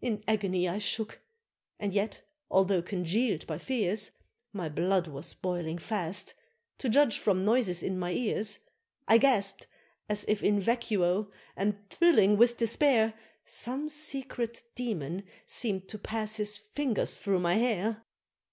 In agony I shook, and yet, although congealed by fears, My blood was boiling fast, to judge from noises in my ears; I gasp'd as if in vacuo, and thrilling with despair, Some secret Demon seem'd to pass his fingers through my hair.